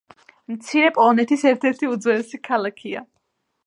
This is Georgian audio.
მცირე პოლონეთის ერთ-ერთი უძველესი ქალაქია.